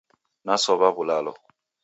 Nasowa wulalo